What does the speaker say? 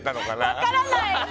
分からない！